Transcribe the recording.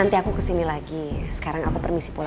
ini bubur kacang ijo yang paling enak yang pernah saya coba